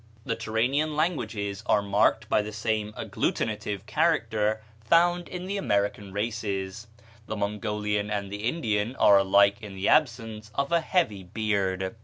The Turanian languages are marked by the same agglutinative character found in the American races. The Mongolian and the Indian are alike in the absence of a heavy beard.